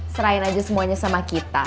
serahin aja semuanya sama kita